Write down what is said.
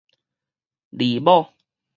離某